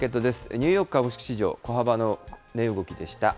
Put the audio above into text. ニューヨーク株式市場、小幅な値動きでした。